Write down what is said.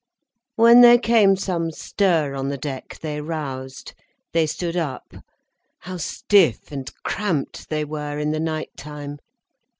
When there came some stir on the deck, they roused. They stood up. How stiff and cramped they were, in the night time!